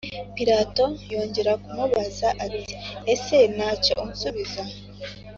Pilato yongera kumubaza ati ese nta cyo usubiza